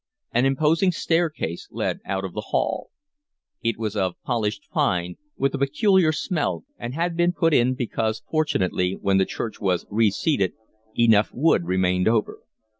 An imposing staircase led out of the hall. It was of polished pine, with a peculiar smell, and had been put in because fortunately, when the church was reseated, enough wood remained over.